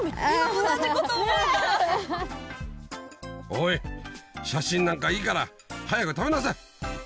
おい写真なんかいいから早く食べなさい